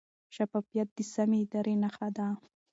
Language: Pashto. شفافیت د سمې ادارې نښه ده.